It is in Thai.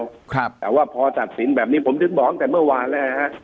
อยู่แล้วครับแต่ว่าพอตัดสินแบบนี้ผมถึงบอกจากเมื่อวานแล้วฮะ